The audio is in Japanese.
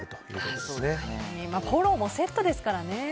フォローもセットですからね。